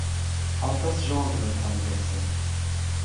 Auch das Genre kann wechseln.